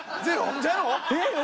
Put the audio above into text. ゼロ？